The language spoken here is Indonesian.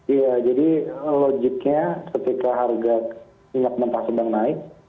iya jadi logiknya ketika harga minyak mentah sedang naik